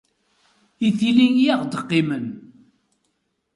I tili i aɣ-d-qqimen.